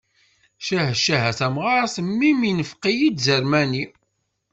Ccah ccah a tamɣart mmi-m infeq-iyi-d ẓermani.